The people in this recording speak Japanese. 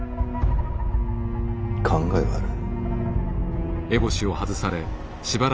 考えがある。